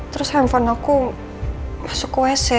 terus handphone aku masuk wc